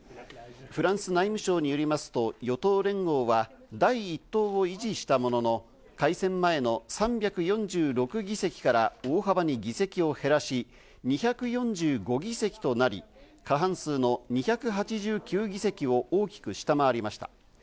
フランス内務省によりますと、与党連合は第一党を維持したものの、改選前の３４６議席から大幅に議席を減らし２４５議席となり、過半数の２８９議席を大きく下回りました。